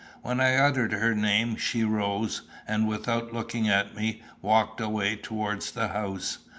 When I uttered her name she rose, and, without looking at me, walked away towards the house.